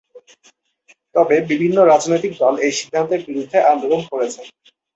তবে বিভিন্ন রাজনৈতিক দল এই সিদ্ধান্তের বিরুদ্ধে আন্দোলন করেছে।